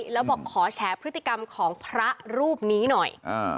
แล้วบอกขอแฉพฤติกรรมของพระรูปนี้หน่อย